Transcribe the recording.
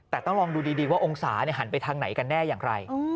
แต่ต้องลองดูดีว่าองศาหันไปทางไหนกันแน่อย่างไร